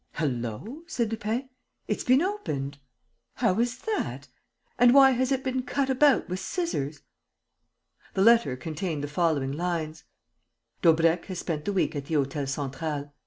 "Hullo!" said Lupin. "It's been opened! How is that? And why has it been cut about with scissors?" The letter contained the following lines: "Daubrecq has spent the week at the Hôtel Central.